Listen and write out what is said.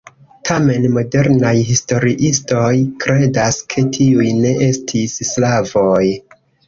Tamen modernaj historiistoj kredas ke tiuj ne estis slavoj.